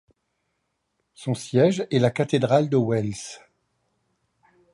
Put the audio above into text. Son siège est la cathédrale de Wells.